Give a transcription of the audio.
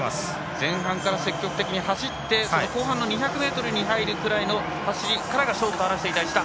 前半から積極的に走って後半の２００ｍに入るくらいの走りが勝負と話していた石田。